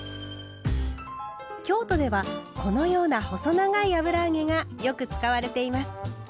京都ではこのような細長い油揚げがよく使われています。